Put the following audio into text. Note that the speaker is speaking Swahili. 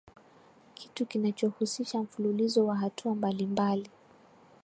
kitu kinachohusisha mfululizo wa hatua mbalimbali